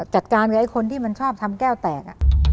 จัดการกับไอ้คนที่มันชอบทำแก้วแตก